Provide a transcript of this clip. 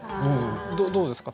どうですか？